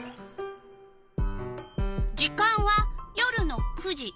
時間は夜の９時。